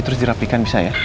terus dirapikan bisa ya